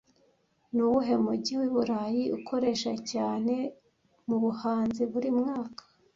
Nuwuhe mujyi wiburayi ukoresha cyane mubuhanzi buri mwaka